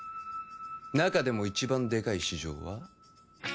中でも一番でかい市場は？